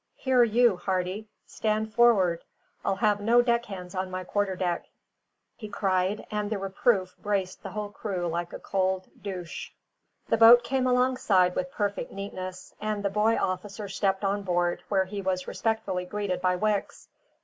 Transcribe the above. "Here you, Hardy, stand for'ard! I'll have no deck hands on my quarter deck," he cried, and the reproof braced the whole crew like a cold douche. The boat came alongside with perfect neatness, and the boy officer stepped on board, where he was respectfully greeted by Wicks.